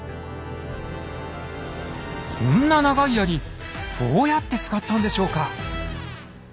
こんな長い槍どうやって使ったんでしょうか？